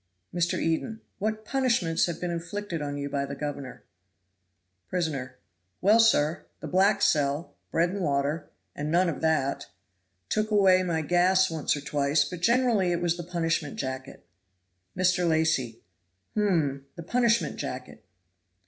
Mr. Eden. "What punishments have been inflicted on you by the governor?" Prisoner. "Well, sir! the black cell, bread and water, and none of that; took away my gas once or twice, but generally it was the punishment jacket." Mr. Lacy. "Hum! the punishment jacket."